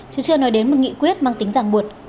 chứ chưa nói đến một nghị quyết mang tính giảng buộc